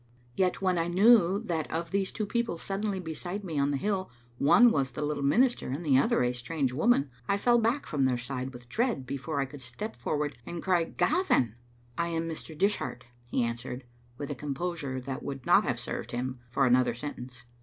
Yet, when I knew that of these two people suddenly beside me on the hill one was the little minister and the other a strange woman, I fell back from their side with dread before I could step forward and cry " Gavin !" "I am Mr. Dishart," he answered, with a composure that would not have served him for another sentence.